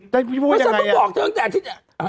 คุณพ่อพูดยังไงอะคุณพ่อแล้วที่จะ